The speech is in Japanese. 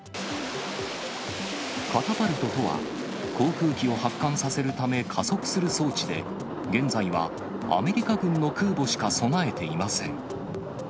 カタパルトとは、航空機を発艦させるため加速する装置で、現在はアメリカ軍の空母しか備えていません。